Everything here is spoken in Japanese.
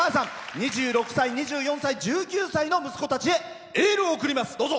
２６歳、２４歳、１９歳の息子たちへエールを送ります。